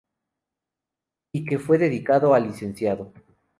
Y que fue dedicado al Lic.